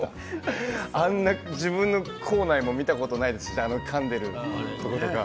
あんな自分の口内も見たことないですし、かんでるところとか。